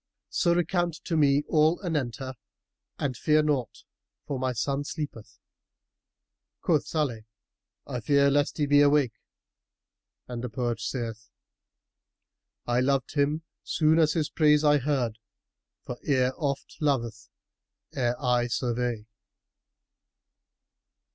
So recount to me all anent her and fear naught, for my son sleepeth." Quoth Salih, "I fear lest he be awake; and the poet saith, 'I loved him, soon as his praise I heard; * For ear oft loveth ere eye survey.